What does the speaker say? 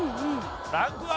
ランクは？